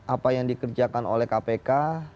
apa yang dikerjakan oleh kpk